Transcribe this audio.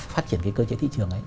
phát triển cái cơ chế thị trường ấy